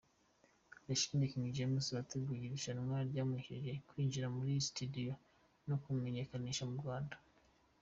Yashimiye King James wateguye irushanwa ryamuhesheje kwinjira muri studio no kumumenyekanisha mu Rwanda.